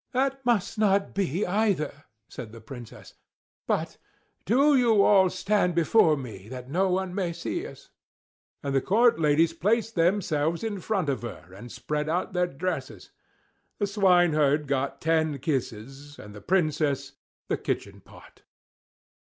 "That must not be, either!" said the Princess. "But do you all stand before me that no one may see us." And the court ladies placed themselves in front of her, and spread out their dresses the swineherd got ten kisses, and the Princess the kitchen pot.